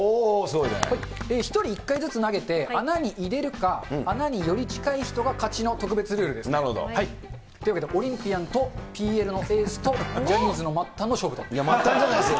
１人１回ずつ投げて、穴に入れるか、穴により近い人が勝ちの特別ルールです。というわけでオリンピアンとＰＬのエースと、ジャニーズの末端のいや、末端じゃないですよ。